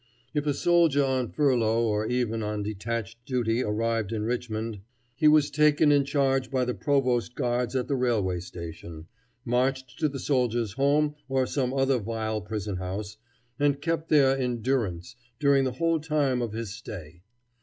If a soldier on furlough or even on detached duty arrived in Richmond, he was taken in charge by the provost guards at the railway station, marched to the soldiers' home or some other vile prison house, and kept there in durance during the whole time of his stay.